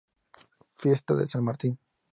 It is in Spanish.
Fiesta de San Martín.